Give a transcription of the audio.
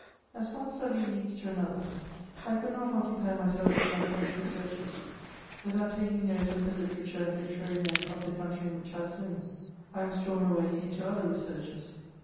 As one study leads to another, I could not occupy myself with my French researches without taking note of the litera ture and literary men of the country in which I was living : I was drawn away into other researches.